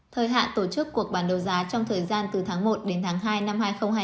thời hạn tổ chức cuộc bán đấu giá trong thời gian từ tháng một đến tháng hai năm hai nghìn hai mươi